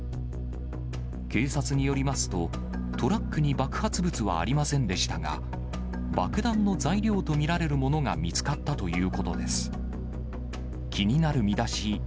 警察によりますと、トラックに爆発物はありませんでしたが、爆弾の材料と見られるものが見つかったということです。